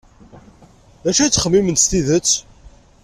D acu ay ttxemmiment s tidet?